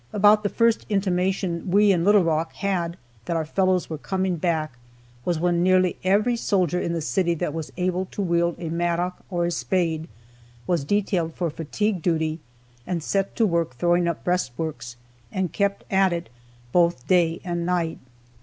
About the first intimation we in Little Rock had that our fellows were coming back was when nearly every soldier in the city that was able to wield a mattock or a spade was detailed for fatigue duty and set to work throwing up breastworks, and kept at it, both day and night.